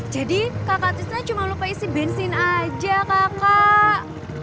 jadi kakak tisnya cuma lupa isi bensin aja kakak